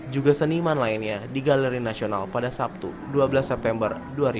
juga seniman lainnya di galeri nasional pada sabtu dua belas september dua ribu dua puluh